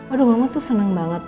aduh mama tuh senang banget